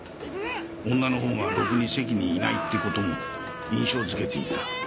女のほうがろくに席にいないってことも印象づけていた。